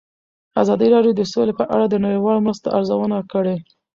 ازادي راډیو د سوله په اړه د نړیوالو مرستو ارزونه کړې.